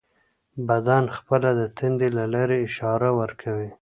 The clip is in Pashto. بدن خپله د تندې له لارې اشاره ورکوي.